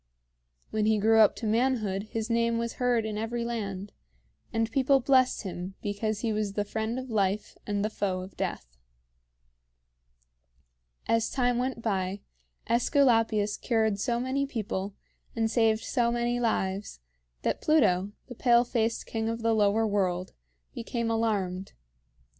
When he grew up to manhood his name was heard in every land, and people blessed him because he was the friend of life and the foe of death. As time went by, AEsculapius cured so many people and saved so many lives that Pluto, the pale faced king of the Lower World, became alarmed.